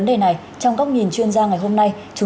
tôi đã đọc cho anh rồi ạ